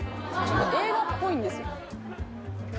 「映画っぽいんですよ」